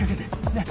ねっ。